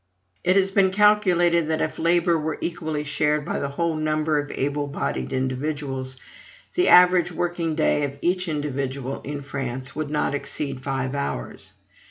It has been calculated that if labor were equally shared by the whole number of able bodied individuals, the average working day of each individual, in France, would not exceed five hours.